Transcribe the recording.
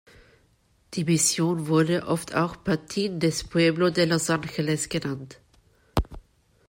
Die Mission wurde oft auch die „Patin des Pueblo de Los Angeles“ genannt.